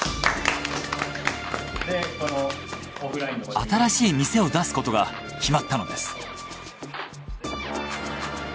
新しい店を出すことが決まったのです。